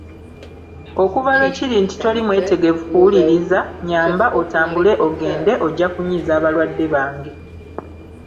Okuva lwekiri nti toli mwetegefu kuwuliriza, nnyamba otambule ogende ojja kunyiiza abalwadde bange.